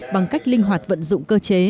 bằng cách linh hoạt vận dụng cơ chế